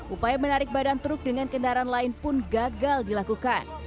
upaya menarik badan truk dengan kendaraan lain pun gagal dilakukan